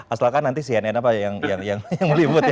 asalkan nanti cnn apa yang meliput ya